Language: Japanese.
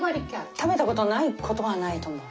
食べた事ない事はないと思う。